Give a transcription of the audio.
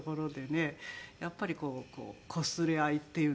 やっぱりこうこすれ合いっていうのはね